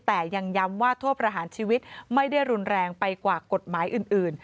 แต่ยังย้ำว่าโทษประหารชีวิตไม่ได้รุนแรงไปกว่ากฎหมายอื่น